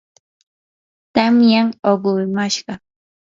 tamyam uqumashqa.